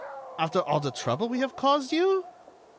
After all the trouble we have caused you!"